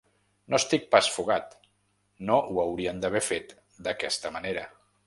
No estic pas fugat, no ho haurien d’haver fet d’aquesta manera.